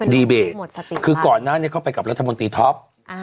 ดีเบตคือก่อนหน้านี้เขาไปกับรัฐมนตรีท็อป